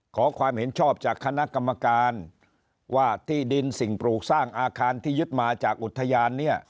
ขอความเห็นชอบจากคณะกรรมการว่าที่ดินสิ่งปลูกสร้างอาคารที่ยึดมาจากอุทยานเนี่ย